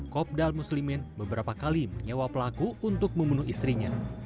kopdal muslimin beberapa kali menyewa pelaku untuk membunuh istrinya